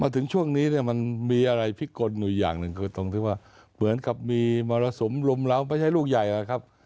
ถึงช่วงนี้เนี่ยมันมีอะไรพิกลอยู่อย่างหนึ่งคือตรงที่ว่าเหมือนกับมีมรสุมลุมเล้าไม่ใช่ลูกใหญ่นะครับ